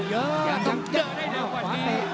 อย่าต้องเจอได้เร็วกว่านี้